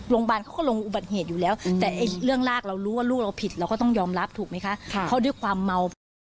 ลงบ้านลงอุบัติเหตุแล้วขนาดเรื่องลากเรารู้ว่าลูกเราผิดเราก็ต้องยอมรับถูกมั้ยคะ